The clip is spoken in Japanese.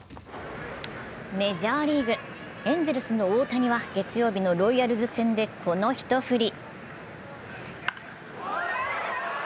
メジャーリーグ、エンゼルスの大谷は月曜日のロイヤルズ戦でこの一振り。